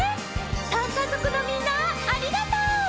３かぞくのみんなありがとう！